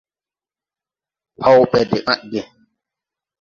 Haw ɓɛ de ãdge.